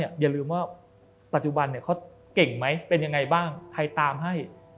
อย่าลืมว่าปัจจุบันเขาเก่งไหมเป็นยังไงบ้างใครตามให้